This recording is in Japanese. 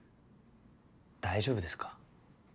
大丈夫ですか？